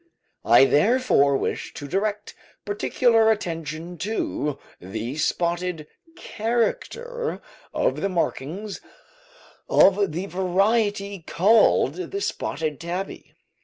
I therefore wish to direct particular attention to the spotted character of the markings of the variety called the "spotted tabby."